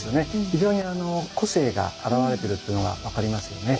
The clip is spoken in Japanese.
非常に個性が表れてるっていうのが分かりますよね。